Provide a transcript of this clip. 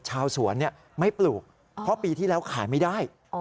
ชาวสวนไม่ปลูกเพราะปีที่แล้วขายไม่ได้